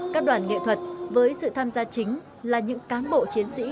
các đoàn nghệ thuật với sự tham gia chính là những cán bộ chiến sĩ